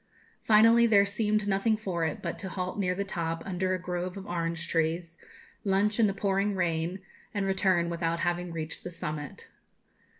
Finally, there seemed nothing for it but to halt near the top, under a grove of orange trees, lunch in the pouring rain, and return without having reached the summit.